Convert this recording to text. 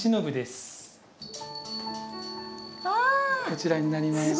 こちらになります。